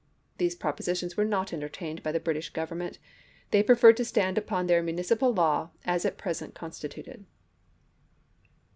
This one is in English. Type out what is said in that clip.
These propositions were not entertained by the British Government ; they preferred to stand upon their municipal law as at present constituted.